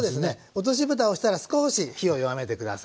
落としぶたをしたら少し火を弱めて下さい。